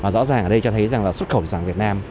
rõ ràng ở đây cho thấy rằng là xuất khẩu thủy sản việt nam